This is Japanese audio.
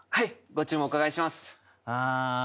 ご注文お伺いします。